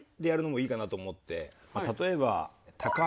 例えば。